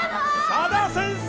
佐田先生！